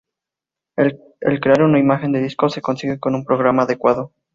El crear una imagen de disco se consigue con un programa adecuado.